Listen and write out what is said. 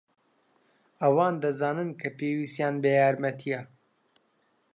ئەوان دەزانن کە پێویستیان بە یارمەتییە.